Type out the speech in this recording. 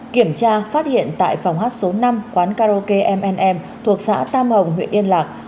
kiểm tra phát hiện tại phòng hát số năm quán karaoke mn thuộc xã tam hồng huyện yên lạc